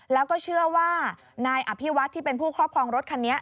แล้วก็เชื่อว่านายอภิวัฒน์ที่เป็นผู้ครอบครองรถคันนี้